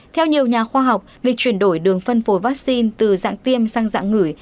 theo nhiều nhà khoa học việc chuyển đổi đường phân phối vaccine từ dạng tiêm sang dạng ngửi